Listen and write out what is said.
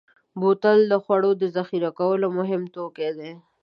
بوتل د خوړو د ذخیره کولو مهم توکی دی.